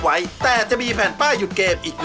หมายเลข๑